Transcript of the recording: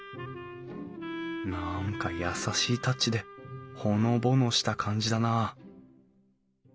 何か優しいタッチでほのぼのした感じだなあ